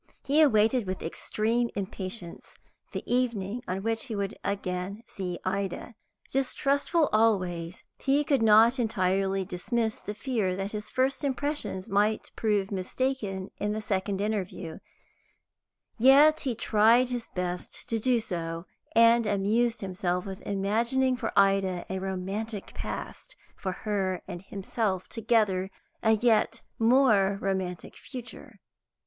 He awaited with extreme impatience the evening on which he would again see Ida. Distrustful always, he could not entirely dismiss the fear that his first impressions might prove mistaken in the second interview; yet he tried his best to do so, and amused himself with imagining for Ida a romantic past, for her and himself together a yet more romantic future.